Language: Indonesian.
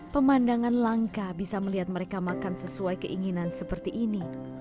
pemandangan langka bisa melihat mereka makan sesuai keinginan seperti ini